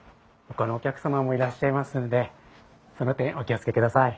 ほかのお客様もいらっしゃいますのでその点お気を付けください。